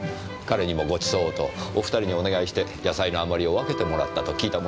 彼にもご馳走をとお２人にお願いして野菜の余りを分けてもらったと聞いたものですから。